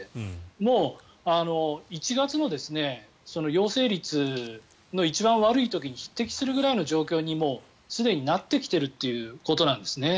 もう１月の陽性率の一番悪い時に匹敵するぐらいの状況にすでになってきているということなんですよね。